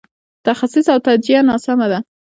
تخصیص او توجیه ناسمه ده.